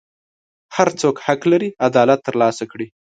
هر څوک حق لري عدالت ترلاسه کړي.